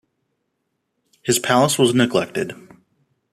His palace was neglected.